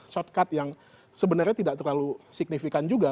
shortcut yang sebenarnya tidak terlalu signifikan juga